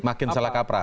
makin salah kapra